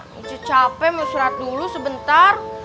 saya capek mau surat dulu sebentar